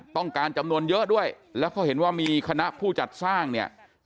จำนวนเยอะด้วยแล้วเขาเห็นว่ามีคณะผู้จัดสร้างเนี่ย